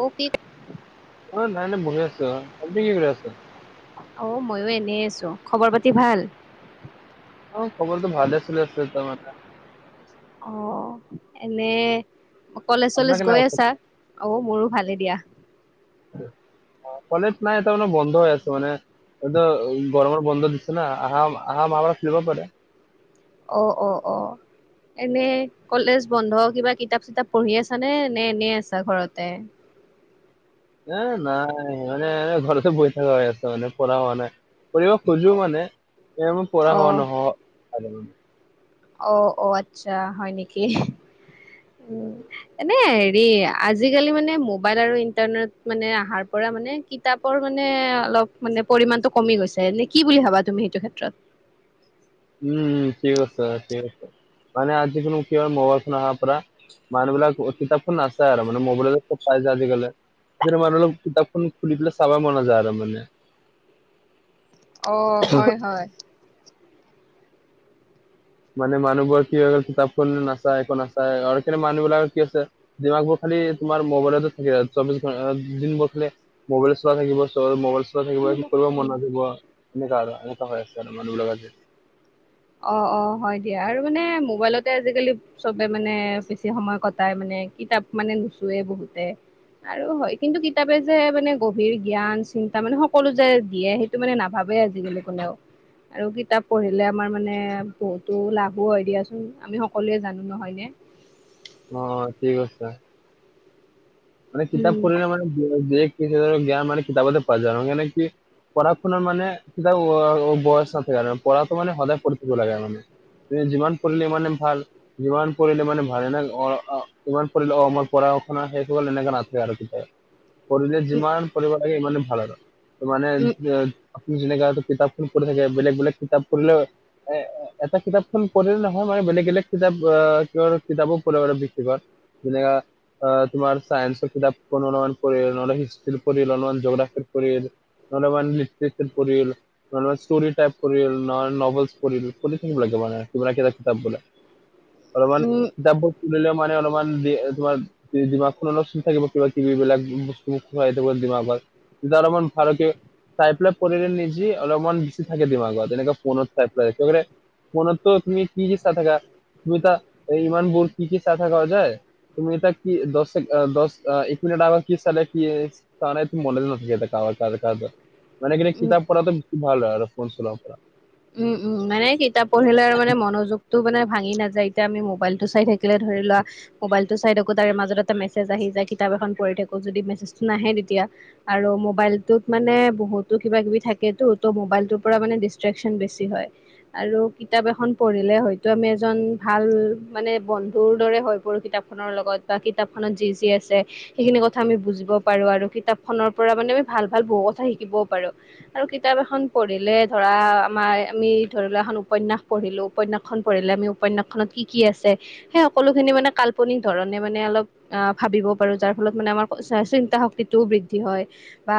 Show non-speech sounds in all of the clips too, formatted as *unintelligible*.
অ পি অ নাই নাই বহি আছো অ, আপুনি কি কৰি আছে? অ ময়ো এনে আছো খবৰ-পাতি ভাল? অ খবৰটো ভালে চলি আছিলে এতিয়া মানে অ' এনে কলেজ আপোনাৰ চলেজ কেনে গৈ আছে? আছা? অ' মোৰো ভালে দিয়া। কলেজ নাই তাৰ মানে বন্ধ হৈ আছে মানে এইটো উ গৰমৰ বন্ধ দিছে না আহা আহা মাহত খুলিব পাৰে। অ অ অ। এনেই কলেজ বন্ধ কিবা কিতাপ চিতাপ পঢ়ি আছা নে, নে এনেই আছা ঘৰতে? এ নাই মানে ঘৰতে বহি থকা হৈ আছে মানে পঢ়া হোৱা নাই। পঢ়িব খোজো মানে এ মোৰ পঢ়া অ হোৱা নহয় মানে। অ ' আচ্ছা হয় নেকি উম এনে হেৰি আজিকালি মানে মোবাইল আৰু ইণ্টাৰনেট মানে অহাৰ পৰা মানে কি কিতাপৰ মানে অলপ মানে পৰিমাণটো কমি গৈছে, এনে কি বুলি ভাবা তুমি সেইটো ক্ষেত্ৰত। উম ঠিক আছে ঠিক আছে মানে আজি কোনো কি হয় মোবাইল ফোন অহা পঢ়া মানুহবিলাক কিতাপখন নাচছে আৰু মানে মোবাইলতে চব পাই যায় আজিকালি সেইটো মানে আৰু অলপ কিতাপখন খুলি পেলাই চাবা মন নাযায় আৰু মানে। অ হয় হয়। মানে মানুহবোৰৰ কি হৈ গল কিতাপখন নাচায় একো নাচায় আৰু কেনে মানুহবিলাকৰ কি আছে ডিমাকবোৰ খালি তোমাৰ মোবাইলতো থাকি যায় চৌবিশ ঘণ্টা দিনবোৰ খালি মোবাইল চলা থাকিব চবে মোবাইল থাকিব কৰিব হয় মন নথাকিব এনেকা আৰু এনেকোৱা হৈ আছে আৰু মানুহবিলাকৰ আজি অ অ হয় দিয়া আৰু মানে মোবাইলতে আজি কালি চবে মানে বেছি সময় কটাই মানে কিতাপ মানে নুচুয়ে বহুতে আৰু হয় কিন্তু কিতাপে যে মানে গভীৰ জ্ঞান চিন্তা মানে সকলো যে দিয়ে সেই টো মানে নাভাবে আজিকালি কোনেও আৰু কিতাপ পঢ়িলে আমাৰ মানে বহুতো লাভো হয় দিয়াচোন আমি সকলোৱে জানো নহয়নে অ ঠিকে কৈছা। মানে কিতাপ উম পঢ়িলে মানে জ্ঞান মান কিতাপতে পোৱা যায় মানে কি পঢ়া শুনা মানে কিবা বয়স নাথাকে মানে পঢ়াটো মান সদায় পঢ়ি থাকিব লাগে মানে। তুমি যিমান পঢ়িলে মানে ভাল যিমান পঢ়িলে মানে ভাল এনে অ সিমান পঢ়িলে অ মোৰ পঢ়া শুনা শেষ এনেকে নাথাকে আৰু কেতিয়াও পঢ়িলে উম যিমান পৰি লাগে ইমানেই ভাল আৰু। ত মানে উম আপুনি যে যেনেকা কিতাপখন পঢ়ি থাকে বেলেগ বেলেগ কিতাপ পঢ়িলেও এ এটা কিতাপখন পঢ়িলে নহয় মানে বেলেগ বেলেগ কিতাপ ক কিতাপো পঢ়িব লাগে ব্যক্তিগত যেনেকা অ তোমাৰ চায়েঞ্চৰ কিতাপ অলপমান পঢ়িল নহলে হিষ্ট্ৰিৰ পঢ়িল অলপমান জি'গ্ৰাফিৰ পঢ়িল নহলে অলপমান হিষ্ট্ৰী চিষ্ট্ৰী পঢ়িল নহলে ষ্টৰি টাইপ পঢ়িল নহলে নভেলচ পঢ়িল পঢ়ি থাকিব লাগে মানে কিমান কিটা কিতাপলে অলপমান উম কিতাপবোৰ তুলিলেও মানে অলপমান দে তোমাৰ জিভাখনো অলপ চুই থাকিব কিবা কিবি এইবিলাক বস্তু খোৱাই দিব যিমান পাৰে তেতিয়া অলমান ভালকে চাই পেলাই পঢ়িলে নিজে অলপমান হিষ্ট্ৰী থাকে দিমাগত যেনকে ফোনট টাইপ কৰে একেবাৰে ফোনটতো তুমি কি কি চাই থাকা তুমি তা ইমানবোৰ কি কি চাই থাক যে তুমি তাক কি দছ দছ এক মিনট আগত কি চালে কি- তানেদ মদেল নাথকে *unintelligible* মানে কিদেক উম কিতাপ পঢ়াটো ভাল আৰ ফোন চলোৱাও পৰা উম উম মানে কিতাপ পঢ়িলে মানে মনোযোগ তো মানে ভাঙি নাযায় এতিয়া আমি মোবাইল টো চাই থাকিলে ধৰি লোৱা মোবাইলতটো চাই থাকো তাৰে মাজত এটা মেছেজ আহি যায়, কিতাপ এখন পঢ়ি থাকো যদি মেছেজটো নাহে তেতিয়া। আৰু মবাইলটোত মানে বহুতো কিবা কিবি থাকটো ত মবাইলটোৰ পৰা মানে দিছক্টেক চন বেছি হয়। আৰু কিতাপ এখন পঢ়িলে হয়তো আমি এজন ভাল মানে বন্ধুৰ দৰে হৈ পৰো কিতাপ- খনৰ লগত বা কিতাপখনত যি যি আছে। সেইখিনি কথা আমি বুজিবও পাৰো আৰু কিতাপখনৰ পৰা মানে আমি ভাল ভাল বহু কথা শিকিবও পাৰো। আৰু কিতাপ এখন পঢ়িলে ধৰা আমাৰ আমি ধৰি লোৱা এখন উপন্যাস পঢ়িলোঁ উপন্যাসখন পঢ়িলে আমি উপন্যাসখনত কি কি আছে। সেই সকলো খিনি মানে কাল্পনিক ধৰণে মানে অলপ আহ ভাবিব পাৰো যাৰ ফলত মানে আমাৰ চিন্তা শক্তিটোও বৃদ্ধি হয়। বা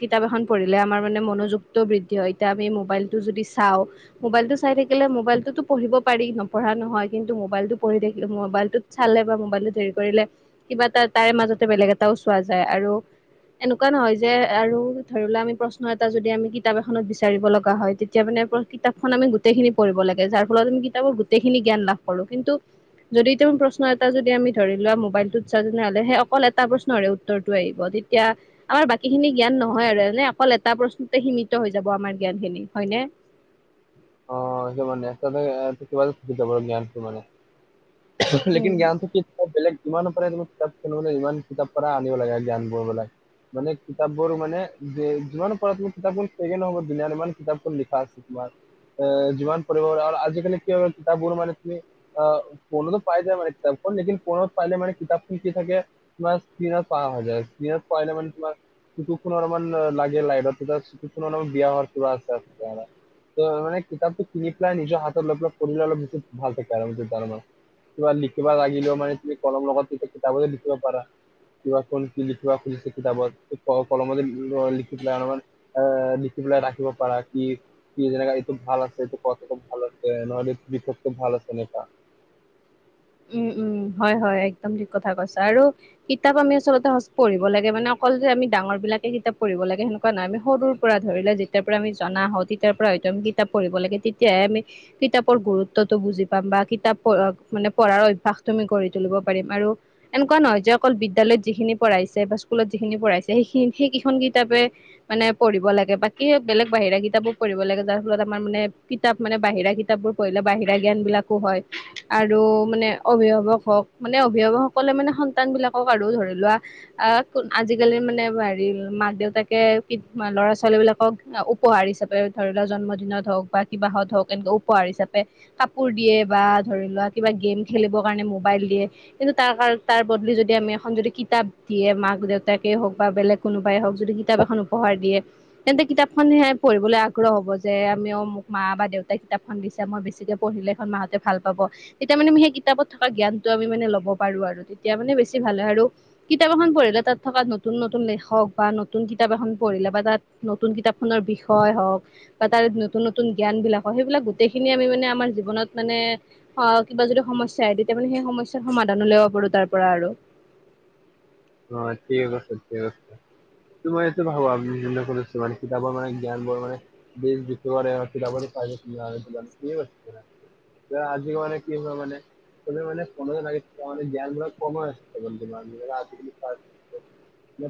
কিতাপ এখন পঢ়িলে আমাৰ মানে মনোযোগটো বৃদ্ধি হয়, এতিয়া আমি মোবাইলটো যদি চাওঁ। মোবাইলটো চাই থাকিলে মোবাইলটোতো পঢ়িব পাৰি নপঢ়া নহয় কিন্তু মোবাইলটোত পঢ়ি থাকিলে মোবাইলত চালে বা মোবাইলটো দেৰি কৰিলে কিবা এটা তাৰে মাজতে বেলেগ এটাও চোৱা যায় আৰু এনেকুৱা নহয় যে আৰু ধৰি লোৱা আমি প্ৰশ্ন এটা যদি আমি কিতাপ এখনত বিচাৰিব লগা হয়। তেত- তেতিয়া মানে পুৰা কিতাপখন আমি গোটেইখিনি পঢ়িব লাগে যাৰ ফলত আমি কিতাপৰ গোটেইখিনি জ্ঞান লাভ কৰো। কিন্তু যদি তেওঁ প্ৰশ্ন এটা যদি আমি ধৰি লোৱা মোবাইলটোত চাওঁ তেনে হ'লে সেই অকল এটা প্ৰশ্ন- নৰে উত্তৰটো আহিব তেতিয়া আমাৰ বাকীখিনি জ্ঞান নহয় আৰু এনে অকল এটা প্ৰশ্নতে সীমিত হৈ যাব আমাৰ জ্ঞান খিনি। হয়নে? অ সেইটো মানে *unintelligible* যাব জ্ঞানটো মানে। লেকিন উম জ্ঞানটো কি বেলেগ ইমানৰ পৰাই তুমি কিতাপ কিনিবলৈ ইমান কিতাপ পৰাই আনিব লাগে জ্ঞানবোৰ *unintelligible* মানে কিতাপবোৰ মানে যে যিমান পৰা তুমি কিতাপ শেষে নহ'ব দুনিয়াত ইমান কিতাপখন লিখা আছে। তোমাৰ এ যিমান পঢ়িব পৰা আৰ আজিকালি কি হৈ গ'ল কিতাপ বোৰ মানে তুমি আহ ফোনটো পাই যায় মানে কিতাপখন লেকিন ফোনত পাইলে মান কিতাপখন কি থাকে তোমাৰ স্ক্ৰীণত পাহা হৈ যায়, স্ক্ৰীণত পাইলে মানে তোমাৰ চুকুখনত আমান লাগে লাইদত তেতিয়া চুকুখন অলপ বিয়া হোৱাৰ কিবা আছে আমাৰ। ত মানে কিতাপটো কিনি পেলাই নিজৰ হাতত লৈ পেলাই পঢ়িলে বেছি ভাল থাকে আৰু তাৰমানে। কিবা লিখিবা লাগিলেও মানে তুমি কলম লগত তেতিয়া কিতাপতে লিখিব পাৰা। কিবা কোন কি লিখিৱা খুজিছে কিতাপত ক কলমতে লিখি পেলাই অলপমান এ লিখি পেলাই ৰাখিব পাৰা কি কি যেনেকা এইটো ভাল আছে এইটো কথাটো ভাল আছে নহলে এই বিষয়টো ভাল আছে এনেকুৱা। উম উম হয় হয় একদম ঠিক কথা কৈছা আৰু কিতাপ আমি আচলতে পঢ়িব লাগে মানে অকল যে আমি ডাঙৰবিলাকে কিতাপ পঢ়িব লাগে সেনেকুৱা নহয়, আমি সৰু পৰা ধৰিলে যেতিয়াৰ পৰা আমি জনা হওঁ, তেতিয়াৰ পৰা হয়তো আমি কিতাপ পঢ়িব লাগে তেতিয়াহে আমি কিতাপৰ গুৰুত্বটো বুজি পাম বা কিতাপ মানে পঢ়াৰ অভ্যাসটো আমি গঢ়ি তুলিব পাৰিম আৰু এনেকুৱা নহয় যে অকল বিদ্যালয়ত যিখিনি পঢ়াইছে বা স্কুলত যিখিনি পঢ়াইছে সেইখিনি সেইকেইখন কিতাপে মানে পঢ়িব লাগে বাকী বেলেগ বাহিৰা কিতাপো পঢ়িব লাগে যাৰ ফলত আমাৰ মানে কিতাপ মানে বাহিৰা কিতাপবোৰ পঢ়িলে বাহিৰা জ্ঞান বিলাকো হয় আৰু মানে অভিভাৱক হওক মানে অভিভাৱকসকলে মানে সন্তান বিলাকক আৰু ধৰি লোৱা আহ ক আজিকালি মানে হেৰি মাক দেউতাকে ল'ৰা-ছোৱালী বিলাকক উপ- পহাৰ হিচাপে ধৰি লোৱা জন্মদিনত হওক বা কিবাহত হওক এনেকুৱা উপহাৰ হিচাপে কাপোৰ দিয়ে বা ধৰি লোৱা কিবা গেম খেলিবৰ কাৰণে মোবাইল দিয়ে। কিন্তু তাৰ কাৰ তাৰ বদলি যদি আমি এখন যদি কিতাপ দিয়ে মাক দেউতাকে হওক বা বেলেগ কোনোবাই হওক যদি কিতাপ এখন উপহাৰ দিয়ে তেন্তে কিতাপখন সে পঢ়িবলে আগ্ৰহ হব যে আমিও মোক মা বা দেউতাই কিতাপ খন দিছে মই বেছিকে পঢ়িলে এখন মাহঁতে ভাল পাব তেতিয়া মানে সেই কিতাপত থকা জ্ঞানটো আমি মানে ল'ব পাৰো আৰু তেতিয়া মানে বেছি ভাল হয় আৰু। কিতাপ এখন পঢ়িলে তাত থকা নতুন নতুন লেখক বা নতুন কিতাপ এখন পঢ়িলে বা তাত নতুন কিতাপখনৰ বিষয় হওক বা তাৰে নতুন নতুন জ্ঞান বিলাক হওক, সেইবিলাক গোটেইখিনি আমি মানে আমাৰ জীৱনত মানে অ কিবা যদি সমস্যা আহে তেতিয়া মানে সেই সমস্যাৰ সমাধান উলিয়াব পাৰো তাৰ পৰা আৰু। অ ঠিক আছে থৈছোঁ ত মই এইটো ভাবো আ কৰিছো মানে কিতাপৰ মানে জ্ঞান বোৰ মানে *unintelligible* দিয়া আজিক মানে কি হয় মানে কোনেও মানে কোনো *unintelligible* মান জ্ঞানবিলাক কম হয় আজিকালি *unintelligible*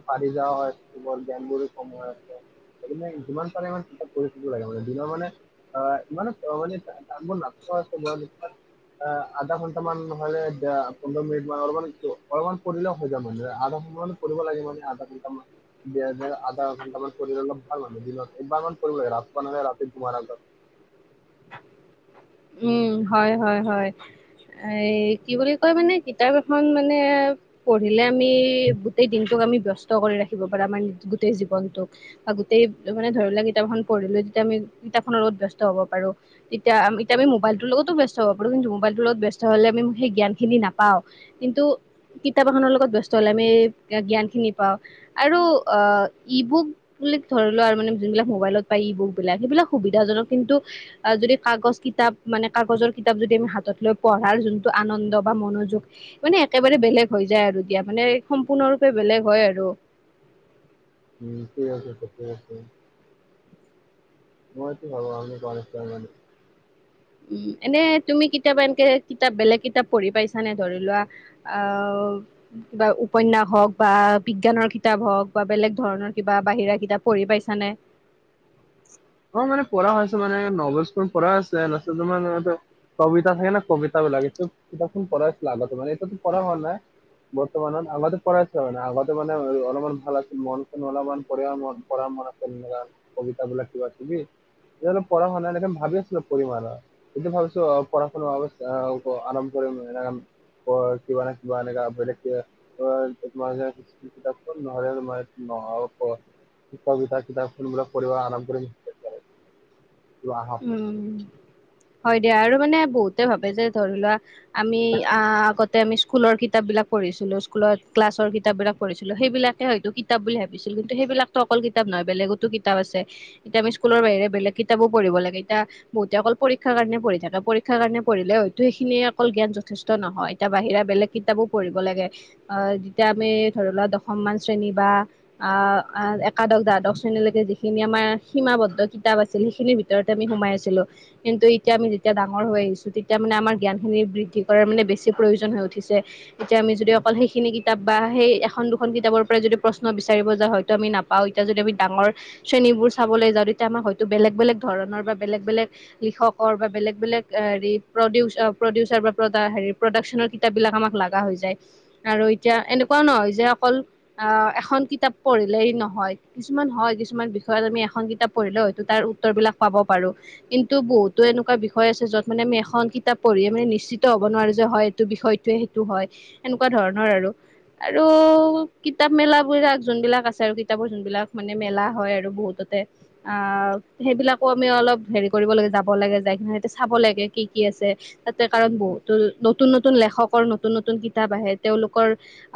পাৰি যাওঁ কেৱল গেম বোৰো সময় আছে। সেইদিনে যিমান পাৰে ইমান কিতাপ পঢ়ি থাকিব লাগে মানে দিনৰ মানে *unintelligible* অ আধা ঘন্টা মান নহলে পোন্ধৰ মিনিট মান অলপমান অলপমান পঢ়িলেও হৈ যাম মানে। আধা সমান পঢ়িব লগে মানে আধাঘণ্টা মান। দিয়া যে আধা ঘণ্টা মান পঢ়িললে ভাল মানে দিনত একবাৰমান পঢ়িব লাগে, ৰাতিপুৱা নহ'লে ৰাতি শুৱাৰ আগত উম হয় হয় হয়। এই কি বুলি কয় মানে কিতাপ এখন মানে পঢ়িলে আমি গোটেই দিনটোক আমি ব্যস্ত কৰি ৰাখিব পাৰা মানে আমাৰ গোটেই জীৱনটোক। বা গোটেই মানে ধৰি লোৱা কিতাপখন পঢ়িলো যেতিয়া আমি কিতাপ খনৰ লগত ব্যস্ত হব পাৰো। এতিয়া আমি তেতিয়া আমি মোবাইলটোৰ লগতো ব্যস্ত হ'ব পাৰো কিন্তু মোবাইলটোৰ লগত ব্যস্ত হলে আমি সেই জ্ঞানখিনি নাপাওঁ কিন্তু কিতাপ এখনৰ লগত ব্যস্ত হলে আমি জ্ঞান খিনি পাওঁ আৰু আহ ই বুক বুলিক ধৰি লোৱা আৰু মানে যোনবিলাক মোবাইলত পায় ই বুক বিলাক সেইবিলাক সুবিধাজনক কিন্তু অ যদি কাগজ কিতাপ মানে কাগজৰ কিতাপ যদি আমি হাতত লৈ পঢ়াৰ যোনটো আনন্দ বা মনোযোগ মানে একেবাৰে বেলেগ হৈ যায় আৰু দিয়া মানে সম্পূৰ্ণৰূপে বেলেগ হয় আৰু ঠিক আছে ঠিকেই আছে মইতো ভাবো আমি *unintelligible* উম এনে তুমি কিতাপা এনকে কিতাপ বেলেগ কিতাপ পঢ়ি পাইছানে ধৰি লোৱা আহ কিবা উপন্যাস হওঁক বা বিজ্ঞানৰ কিতাপ হওক বা বেলেগ ধৰণৰ কিবা বাহিৰা কিতাপ পঢ়ি পাইছানে অ মানে পঢ়া হৈছে মানে নভেলচবোৰ পঢ়া আছে *unintelligible* কবিতা থাকো কবিতাও লাগে সেইটো কিতাপখন পঢ়া লাগা মান এইটোতো পঢ়া হোৱা নাই। বৰ্তমানত আগতে পঢ়াইছ মানে আগতে মানে অলপমান ভাল আছিল মন চন অলপমান পঢ়াৰ মন পঢ়াৰ মন আ ছিল সেনেকোৱা কবিতা বিলাক কিবা কিবি যিহেতু পঢ়া হোৱা নাই ভাবি আছিলো পঢ়িম আৰু এইটো ভাবিছো পঢ়া শুনা অৱস্থা আৰম কৰিম এনেকা কৰ কিবা নহয় কিবা এনো বেলেগ কে তোমাৰ কিতাপখন নহলে মই নহ'ব কবিতা কিতাপখনবিলাক পঢ়িব আৰম্ভ কৰিম যোৱা আহ উম হয় দিয়া আৰু মানে বহুতে ভাবে যে ধৰি লোৱা আমি আ আগতে আমি স্কুলৰ কিতাপবিলাক পঢ়ছিলোঁ স্কুলত ক্লাছ কিতাপ বিলাক পঢ়িছিলো সেইবিলাকে হয়তো কিতাপ বুলি ভাবিছিলোঁ কিন্তু সেইবিলাক অকল কিতাপ নহয় বেলেগতো কিতাপ আছে এতিয়া আমি স্কুলৰ বাহিৰে বেলেগ কিতাপো পঢ়িব লাগে এতিয়া বহুতে অকল পৰীক্ষাৰ কাৰণে পঢ়ি থাকে পৰীক্ষাৰ কাৰণে পঢ়িলে হয়তো সেইখিনি অকল জ্ঞান যথেষ্ট নহয় এতিয়া বাহিৰা বেলেগ কিতাপো পঢ়িব লাগে অ যেতিয়া আমি ধৰি লোৱা দশমমান শ্ৰেণী বা আহ একাদশ দ্বাদশ শ্ৰেণীলৈকে যিখিনি আমাৰ সীমাবদ্ধ কিতাপ আছিল সেইখিনিৰ ভিত তৰতে আমি সোমাই আছিলো। কিন্তু এতিয়া আমি যেতিয়া ডাঙৰ হৈ আহিছো তেতিয়া মানে আমাৰ জ্ঞানখিনি বৃদ্ধি কৰাৰ মানে বেছি প্ৰয়োজন হৈ উঠিছে। এতিয়া আমি যদি অকল সেইখিনি কিতাপ বা সেই এখন দুখন কিতাপৰ পৰাই যদি প্ৰশ্ন বিচাৰিব য হয়তো আমি নাপ- পাওঁ। এতিয়া যদি আমি ডাঙৰ শ্ৰেণীবোৰ চাবলৈ যাওঁ তেতিয়া আমাৰ হয়তো বেলেগ বেলেগ ধৰণৰ বা বেলেগ বেলেগ লিখকৰ বা বেলেগ বেলেগ হেৰি প্ৰদিউচ প্ৰডিউচাৰ বা প্ৰদা হেৰি প্ৰডাকচনৰ কি- তে বিলাক আমাক লগা হৈ যায় আৰু এতিয়া এনেকুৱাও নহয় যে অকল অ এখন কিতাপ পঢ়িলেই নহয় কিছুমান হয় কিছুমান বিষয়ত আমি এখন কিতাপ পঢ়িল হয়তো তাৰ উত্তৰবিলাক পাব পাৰো। কিন্তু বহুতো এনেকুৱা বিষয় আছে য'ত মানে আমি এখন কিতাপ পঢ়িে মানে নিশ্চিত হ'ব নোৱাৰো যে হয় টো বিষয়টোয়ে সেইটো হয় এনেকুৱা ধৰণৰ আৰু আৰু কিতাপ মেলাবোৰাক যোনবিলাক আছে আৰু কিতাপৰ যোনবিলাক মানে মেলা হয় আৰু বহুততে আ সেইবিলাক কমে অলপ হেৰি কৰিব লাগে যাব লাগে যায় কি এতিয়া চাব লাগে কি কি আছে। তাতে কাৰণ বহুতো নতুন নতুন লেখকৰ নতুন নতুন কিতাপ আহে তেওঁলোকৰ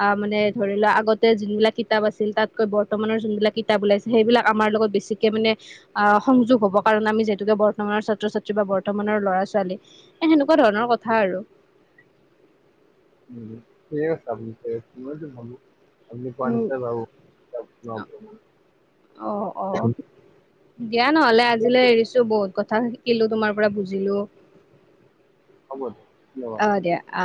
আ মানে ধৰি লোৱা আগতে যোনবিলাক কিতাপ আছিল তাতকৈ বৰ্তমানৰ যোনবিলাক কিতাপ ওলাইছে সেইবিলাক আমাৰ লগত বেছি মানে আ সংযোগ হ'ব। কাৰণ আমি যিহেতুকে বৰ্তমানৰ ছাত্ৰ-ছাত্ৰী বা বৰ্তমানৰ ল'ৰা-ছোৱালী এ সেনেকুৱা ধৰণৰ কথা আৰু। উ ঠিক আছে আপুনি ঠিক আছে মইতো ভাবো। আমি পোৱা উম নিচিনা বাৰু *unintelligible* অ অ দিয়া নহলে আজিলৈ এৰিছ- বহুত কথা শিকিলো তোমাৰ পৰা বুজিলো। হ'ব দিয়া ধন্যবাদ। অ দিয়া আ।